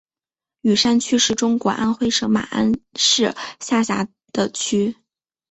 雨山区是中国安徽省马鞍山市下辖的区。